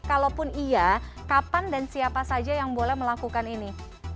kalaupun iya kapan dan siapa saja yang boleh melakukan ini